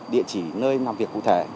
địa chỉ nơi làm việc cụ thể